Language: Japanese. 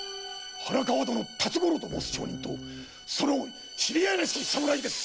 花川戸の辰五郎と申す町人とその知り合いらしい侍です！